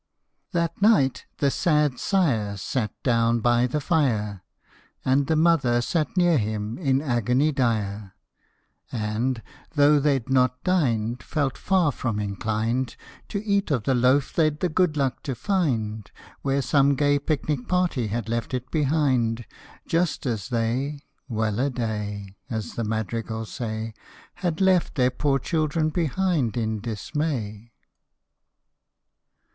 That night the sad sire Sat down by the fire, And the mother sat near him in agony dire, And, though they'd not dined, Felt far from inclined To eat of the loaf they'd the good luck to find Where some gay picnic party had left it behind, Just as they Well a day ! (As the madrigals say) Had left their poor children behind in dismay. 80 HOP O MY THUMB.